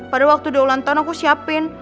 padahal waktu udah ulang tahun aku siapin